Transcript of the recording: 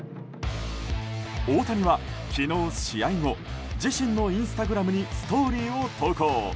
大谷は昨日試合後自身のインスタグラムにストーリーを投稿。